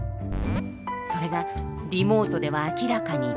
それがリモートでは明らかに低下。